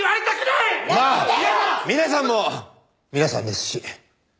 まあ皆さんも皆さんですし。